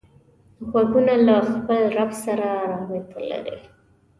غوږونه له خپل رب سره رابط لري